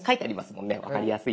分かりやすいです。